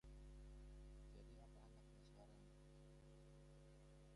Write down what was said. Jadi apa anaknya sekarang?